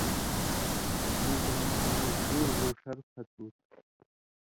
شُوگراں مریض جُوڑ ہو ݜرپھت ہوتُھو۔